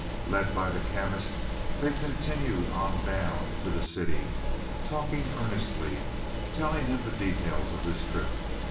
Led by the Chemist, they continued on down into the city, talking earnestly, telling him the details of their trip.